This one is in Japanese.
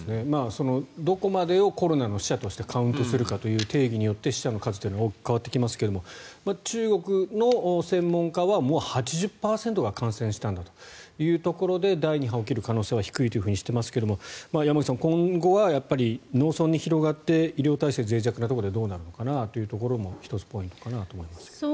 どこまでをコロナの死者としてカウントするかの定義によって死者の数というのは大きく変わってきますが中国の専門家はもう８０％が感染したんだというところで第２波が起きる可能性は低いとしていますが山口さん、今後はやっぱり農村に広がって医療体制ぜい弱なところでどうなるのかなというのも１つポイントかなと思いますが。